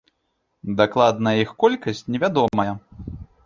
Дакладная іх колькасць невядомая.